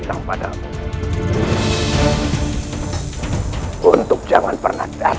sampai jumpa gak